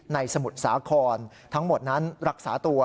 สมุทรสาครทั้งหมดนั้นรักษาตัว